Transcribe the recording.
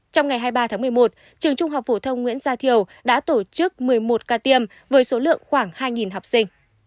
trong ngày hai mươi ba tháng một mươi một trường trung học phổ thông nguyễn gia thiều đã tổ chức một mươi một ca tiêm với số lượng khoảng hai học sinh